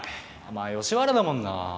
まあ吉原だもんな。